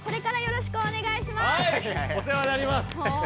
はいお世話になります。